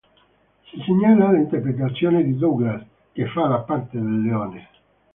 Si segnala l'interpretazione di Douglas "che fa la parte del leone".